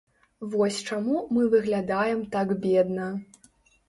Вось чаму мы выглядаем так бедна.